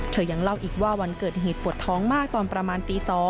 ยังเล่าอีกว่าวันเกิดเหตุปวดท้องมากตอนประมาณตี๒